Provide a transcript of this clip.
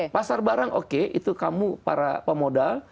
pasar barang oke itu kamu para pemodal